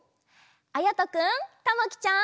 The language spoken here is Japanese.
あやとくんたまきちゃん。